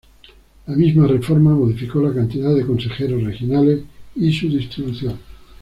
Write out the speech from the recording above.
La misma reforma modificó la cantidad de consejeros regionales y su distribución.